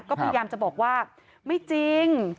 ก็พยายามจะบอกว่าไม่จริง